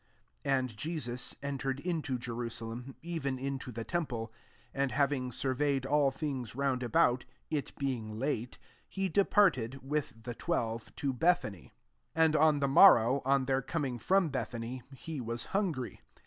11 And [Je9ui\ entered into Jerusalem, L^v^nj into the temple : and having surveyed all things round about, it being late, he departed, with the twelve, to Bethany. 12 Akd on the morrow, on thdr coming from Bethany, he was hungry.